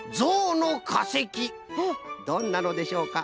どんなのでしょうか？